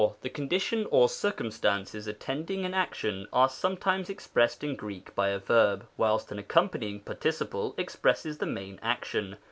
The condition, or circumstances attending an ac tion, are sometimes expressed in Greek by a verb, whilst an accompanying participle expresses the main action.